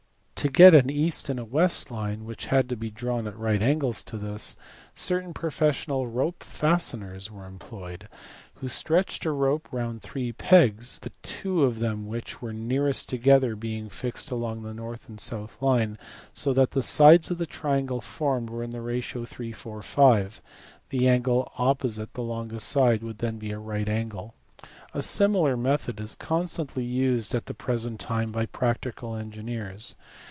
To get an east and west line, which had to be drawn at right angles to this, certain professional " rope fasteners " were employed, who stretched a rope round three pegs (the two of them which were nearest together being fixed along the north and south line) so that the sides of the triangle formed were in the ratio of 3 : 4 : 5 ; the angle opposite the longest side would then be a right angle. A similar method is constantly used at the present time by practical engineers.